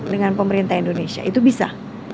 dengan pemerintah indonesia itu bisa